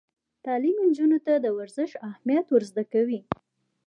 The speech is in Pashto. تعلیم نجونو ته د ورزش اهمیت ور زده کوي.